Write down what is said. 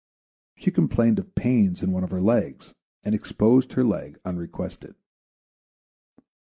She complained of pains in one of her legs, and exposed her leg unrequested.